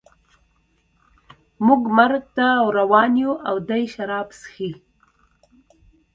موږ مرګ ته روان یو او دی شراب څښي